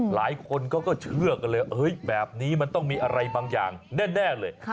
หลายคนเขาก็เชื่อกันเลยแบบนี้มันต้องมีอะไรบางอย่างแน่เลย